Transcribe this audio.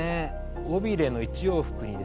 尾びれの１往復にですね